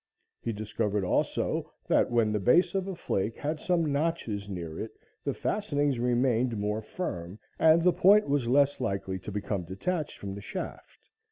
He discovered also that when the base of a flake had some notches near it, the fastenings remained more firm and the point was less likely to become detached from the shaft.